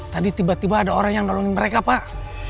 tadi tiba tiba ada orang yang nolongin mereka pak